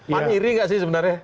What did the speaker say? pan iri gak sih sebenarnya